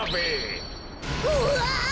うわ！